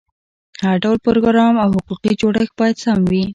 هر ډول پروګرام او حقوقي جوړښت باید سم وي.